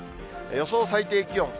予想最低気温。